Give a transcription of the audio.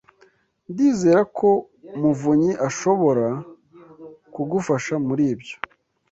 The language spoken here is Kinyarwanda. Ndizera ko muvunyi ashobora kugufasha muri ibyo.